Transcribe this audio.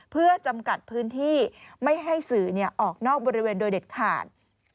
เพื่อจำกัดพื้นที่ไม่ให้สื่อออกนอกบริเวณโดยเด็ดขาด